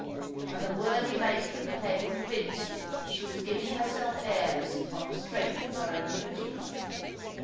And the worthy matron became convinced that she was giving herself airs on the strength of her annuity.